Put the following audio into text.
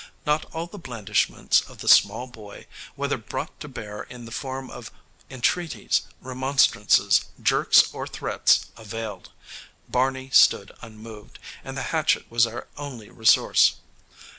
Not all the blandishments of the Small Boy, whether brought to bear in the form of entreaties, remonstrances, jerks or threats, availed: Barney stood unmoved, and the hatchet was our only resource.